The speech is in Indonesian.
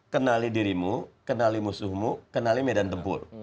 kenali dirimu kenali musuhmu kenali medan tempur